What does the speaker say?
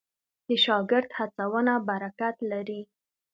د شاګرد هڅونه برکت لري.